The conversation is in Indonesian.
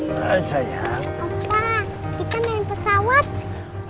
opa kita main pesawat